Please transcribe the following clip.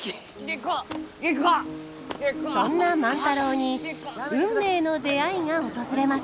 そんな万太郎に運命の出会いが訪れます。